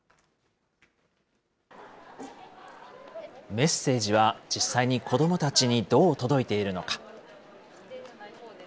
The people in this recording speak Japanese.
メッセージは実際に子どもたちにどう届いているのか。